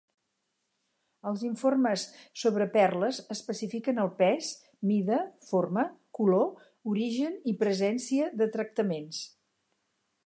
Els informes sobre perles especifiquen el pes, mida, forma, color, origen i presència de tractaments.